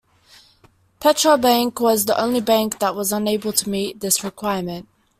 Petra Bank was the only bank that was unable to meet this requirement.